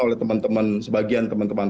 oleh teman teman sebagian teman teman